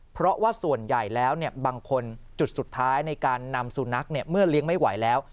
เพราะว่าส่วนใหญ่แล้วบางคนจุดสุดท้ายในการนำสุนัขเมื่อเลี้ยงไม่ไหวแล้ว